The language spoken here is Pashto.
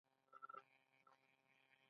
د ایران ډرون په نړۍ کې نوم لري.